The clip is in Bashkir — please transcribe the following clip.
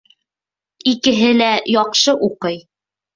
Икеһе лә яҡшы уҡый